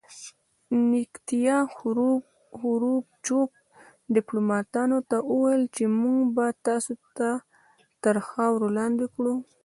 نیکیتیا خروچوف ډیپلوماتانو ته وویل چې موږ به تاسې تر خاورو لاندې کړو